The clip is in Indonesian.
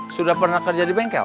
sudah pernah kerja di bengkel